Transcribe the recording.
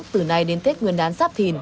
từ nay đến tết nguyên đán sắp thìn